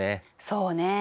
そうね。